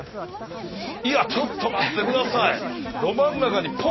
いやちょっと待って下さい！